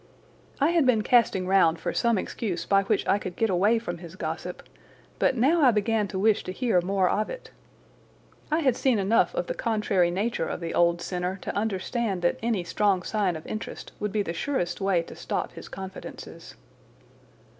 I had been casting round for some excuse by which I could get away from his gossip, but now I began to wish to hear more of it. I had seen enough of the contrary nature of the old sinner to understand that any strong sign of interest would be the surest way to stop his confidences.